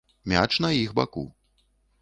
Мяч на іх баку.